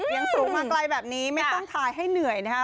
ยังสูงมาไกลแบบนี้ไม่ต้องทายให้เหนื่อยนะคะ